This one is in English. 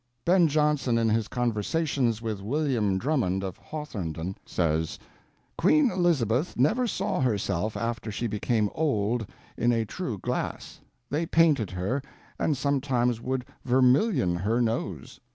Ben Jonson in his Conversations with William Drummond of Hawthornden says, "Queen Elizabeth never saw herself after she became old in a true glass; they painted her, and sometymes would vermillion her nose.